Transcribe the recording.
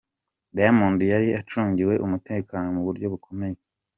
Diamond yari acungiwe umutekano mu buryo bukomeye.